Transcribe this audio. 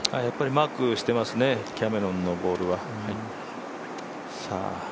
やっぱりマークしてますね、キャメロンのボールは。